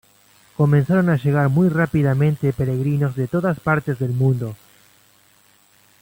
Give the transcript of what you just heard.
Comenzaron a llegar muy rápidamente peregrinos de todas partes del mundo.